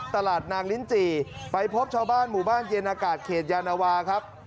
ตลาดนางลิ้นจี่ไปพบชาวบ้านหมู่บ้านเย็นอากาศเขตยานวาครับ